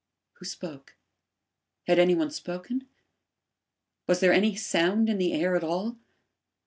Who spoke? Had any one spoken? Was there any sound in the air at all?